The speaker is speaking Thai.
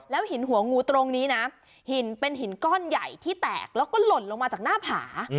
หินหัวงูตรงนี้นะหินเป็นหินก้อนใหญ่ที่แตกแล้วก็หล่นลงมาจากหน้าผา